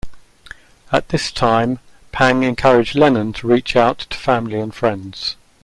At this time, Pang encouraged Lennon to reach out to family and friends.